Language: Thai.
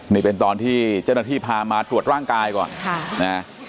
นี่เป็นตอนที่เจ้าหน้าที่พามาตรวจร่างกายก่อน